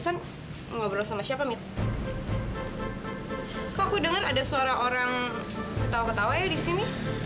tapi kalau nanti malam